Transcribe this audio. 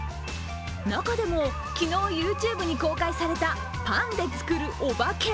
中でも、昨日ＹｏｕＴｕｂｅに公開されたパンで作るお化け。